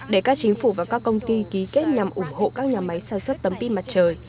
để các chính phủ và các công ty ký kết nhằm ủng hộ các nhà máy sản xuất tấm pin mặt trời